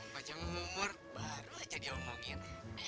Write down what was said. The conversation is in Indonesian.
baca umur baru aja dia omongin